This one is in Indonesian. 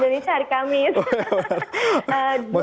kalau di indonesia hari kamis